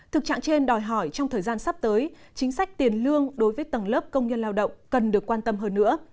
thực trạng trên đòi hỏi trong thời gian sắp tới chính sách tiền lương đối với tầng lớp công nhân lao động cần được quan tâm hơn nữa